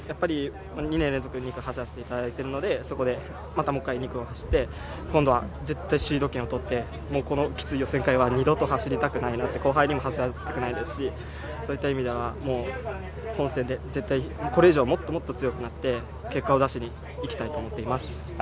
２年連続、２区を走っているので、もう一度２区を走って、今度は絶対シード権を取って、きつい予選会は二度と走りたくないし、後輩にも走らせたくないので、そういった意味では本戦で絶対にこれ以上もっと強くなって、結果を出しに行きたいと思っています。